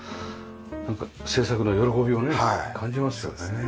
製作の喜びをね感じますよね。